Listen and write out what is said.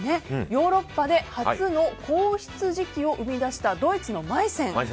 ヨーロッパで初の硬質磁器を生み出したドイツのマイセン。